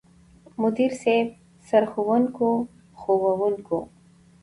مدير صيب، سرښوونکو ،ښوونکو،